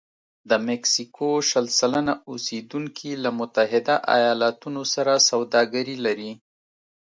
د مکسیکو شل سلنه اوسېدونکي له متحده ایالتونو سره سوداګري لري.